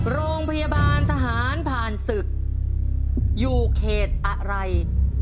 โรงพยาบาลทหารผ่านศึกอยู่เขตอะไร